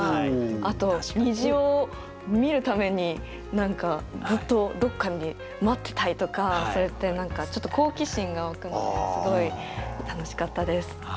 あと虹を見るためにずっとどっかに待ってたいとかそうやってちょっと好奇心が湧くのですごい楽しかったです。